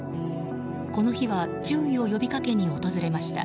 この日は注意を呼び掛けに訪れました。